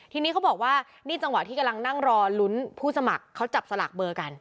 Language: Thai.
ทีนี้เขาบอกว่านี่จังหวะที่กำลังนั่งรอลุ้นผู้สมัครเขาจับสลากเบอร์กัน